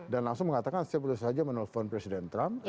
dan langsung mengatakan saya perlu saja menelpon presiden trump